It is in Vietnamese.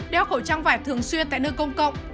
đeo khẩu trang vải thường xuyên tại nơi công cộng